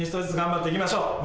頑張っていきましょう。